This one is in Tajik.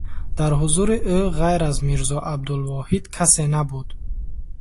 Дар ҳузури ӯ ғайр аз Мирзо Абдулвоҳид касе набуд.